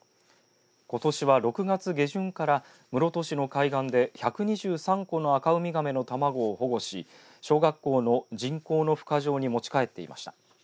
ことしは６月下旬から室戸市の海岸で１２３個のアカウミガメの卵を保護し小学校の人工のふ化場に持ち帰っていました。